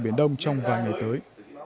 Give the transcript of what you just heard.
biển đông trong vài ngày tới